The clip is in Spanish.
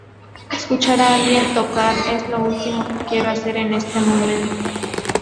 Escuchar a alguien tocar es lo último que quiero hacer en este momento".